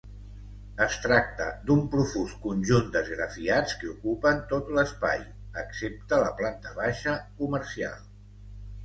Es tracta d'un profús conjunt d'esgrafiats que ocupen tot l'espai, excepte la planta baixa comercial.